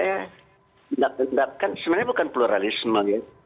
tidak tidak kan sebenarnya bukan pluralisme ya